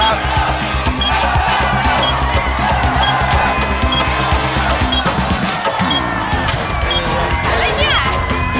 อะไรเนี่ย